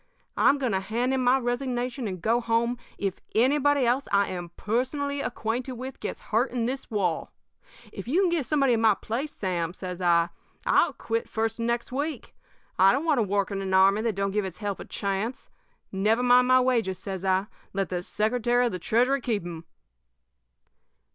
I'm going to hand in my resignation and go home if anybody else I am personally acquainted with gets hurt in this war. If you can get somebody in my place, Sam,' says I, 'I'll quit the first of next week. I don't want to work in an army that don't give its help a chance. Never mind my wages,' says I; 'let the Secretary of the Treasury keep 'em.'